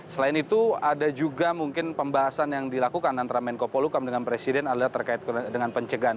selain itu ada juga mungkin pembahasan yang dilakukan antara menko polukam dengan presiden adalah terkait dengan pencegahan